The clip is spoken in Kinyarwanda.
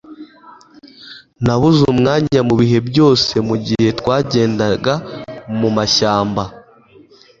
Nabuze umwanya mubihe byose mugihe twagendaga mumashyamba